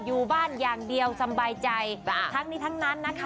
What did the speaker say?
อยู่บ้านอย่างเดียวสบายใจทั้งนี้ทั้งนั้นนะคะ